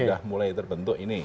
sudah mulai terbentuk ini